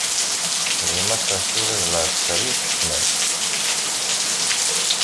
Deg Maṣer tura d lɛesker i iḥekmen.